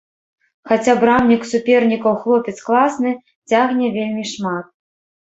Хаця брамнік супернікаў хлопец класны, цягне вельмі шмат.